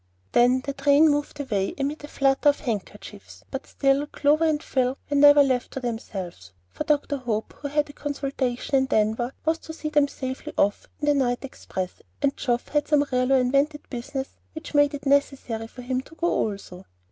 Then the train moved away amid a flutter of handkerchiefs, but still Clover and Phil were not left to themselves; for Dr. Hope, who had a consultation in Denver, was to see them safely off in the night express, and Geoff had some real or invented business which made it necessary for him to go also.